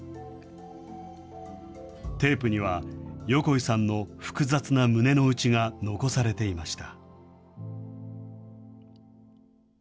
テープには横井さんの複雑な胸の内が残されていました。